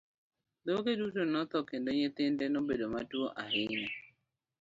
Dhoge duto notho, kendo nyithinde nobedo matuwo ahinya.